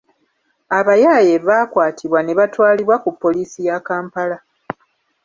Abayaaye baakwatibwa ne batwalibwa ku poliiisi ya Kampala.